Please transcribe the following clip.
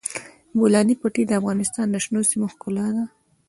د بولان پټي د افغانستان د شنو سیمو ښکلا ده.